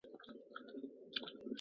听说隔壁庄那个人赚了不少啊